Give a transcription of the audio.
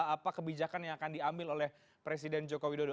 apa kebijakan yang akan diambil oleh presiden jokowi dulu